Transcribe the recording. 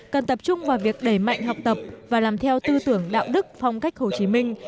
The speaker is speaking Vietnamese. cần tập trung vào việc đẩy mạnh học tập và làm theo tư tưởng đạo đức phong cách hồ chí minh